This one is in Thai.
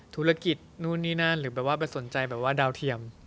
ธุรกิจนู่นนี่นั่นหรือเป็นสนใจดาวเทียม